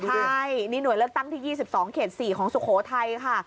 ใช่นี่หน่วยเลือกตั้งที่๒๒เขต๔ของสุโขทัยค่ะ